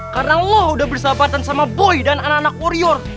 karena lo udah bersahabatan sama boy dan anak anak warrior